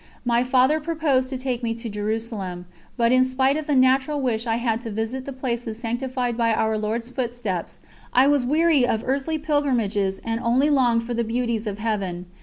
My Father proposed to take me to Jerusalem, but in spite of the natural wish I had to visit the places sanctified by Our Lord's Footsteps, I was weary of earthly pilgrimages and only longed for the beauties of Heaven.